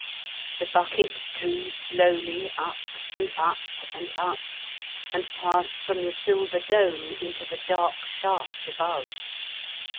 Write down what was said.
The bucket drew slowly up and up and up and passed from the silver dome into the dark shaft above.